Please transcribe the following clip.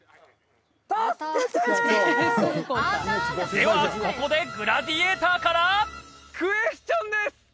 ではここでグラディエーターからクエスチョンです！